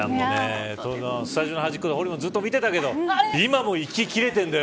スタジオの端っこでほりもんずっと見てたけど今も息がきれてるんだよ。